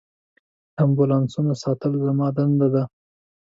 د امبولانسونو ساتل زما دنده ده.